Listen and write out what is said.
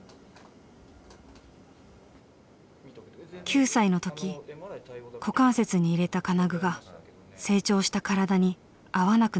９歳の時股関節に入れた金具が成長した身体に合わなくなっていた。